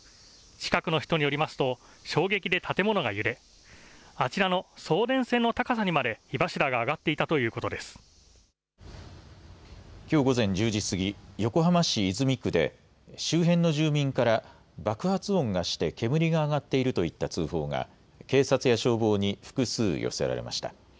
近くの人によりますと、衝撃で建物が揺れ、あちらの送電線の高さにまで火柱が上がっていたというきょう午前１０時過ぎ、横浜市泉区で周辺の住民から、爆発音がして煙が上がっているといった通報が、警察や消防に複数寄せられました。